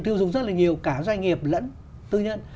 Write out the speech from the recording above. tiêu dùng rất là nhiều cả doanh nghiệp lẫn tư nhân